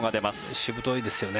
しぶといですよね。